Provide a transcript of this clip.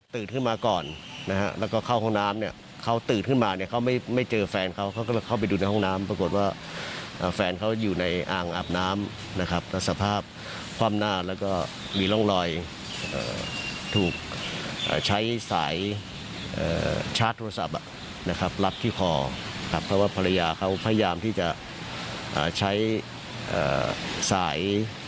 ขึ้นมาก่อนนะฮะแล้วก็เข้าห้องน้ำเนี่ยเขาตื่นขึ้นมาเนี่ยเขาไม่เจอแฟนเขาเขาก็เข้าไปดูในห้องน้ำปรากฏว่าแฟนเขาอยู่ในอ่างอาบน้ำนะครับแล้วสภาพคว่ำหน้าแล้วก็มีร่องรอยถูกใช้สายชาร์จโทรศัพท์นะครับรับที่คอครับเพราะว่าภรรยาเขาพยายามที่จะใช้สาย